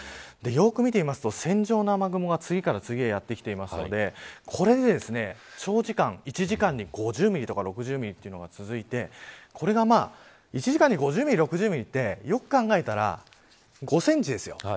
よく見てみると線状の雨雲が次から次へやって来ているのでこれで、長時間１時間に５０ミリとか６０ミリが続いて１時間に５０ミリ、６０ミリってよく考えたら５センチですよ。